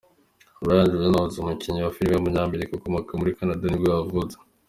Ryan Reynolds, umukinnyi wa filime w’umunyamerika ukomoka muri Canada nibwo yavutse.